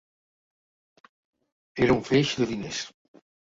Era un feix de diners.